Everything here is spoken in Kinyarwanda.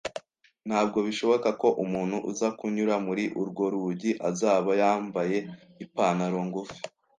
Ntabwo bishoboka ko umuntu uza kunyura muri urwo rugi azaba yambaye ipantaro ngufi